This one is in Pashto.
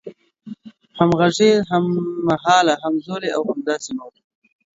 همغږی، هممهال، همزولی او داسې نور